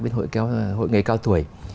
bên hội nghề cao tuổi